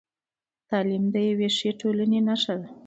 تعلیم د یوې ښې ټولنې نښه ده.